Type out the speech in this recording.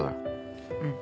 うん。